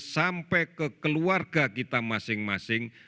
sampai ke keluarga kita masing masing